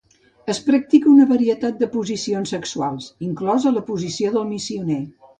Es practica una varietat de posicions sexuals, inclosa la posició del missioner.